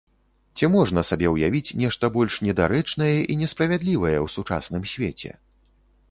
Ці можна сабе ўявіць нешта больш недарэчнае і несправядлівае ў сучасным свеце?